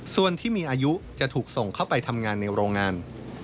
ส่วนที่มีอายุจะถูกส่งเข้าไปทำงานในโรงงาน